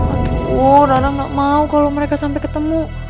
aduh rara gak mau kalau mereka sampai ketemu